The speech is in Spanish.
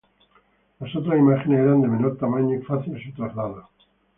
Las otras imágenes eran de menor tamaño y fácil su traslado.